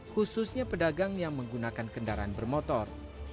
khususnya pedagang yang menggunakan kendaraan bermotor